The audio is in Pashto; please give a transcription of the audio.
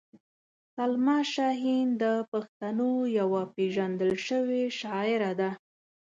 سلما شاهین د پښتنو یوه پېژندل شوې شاعره ده.